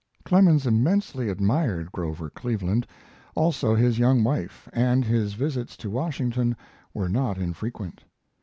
Clemens immensely admired Grover Cleveland, also his young wife, and his visits to Washington were not infrequent.